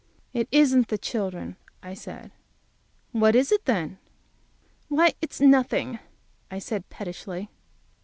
"It isn't the children," I said. "What is it, then?" "Why, it's nothing," I said, pettishly.